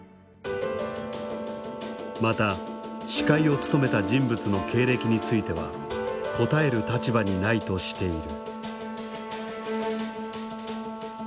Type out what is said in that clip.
また司会を務めた人物の経歴については答える立場にないとしている。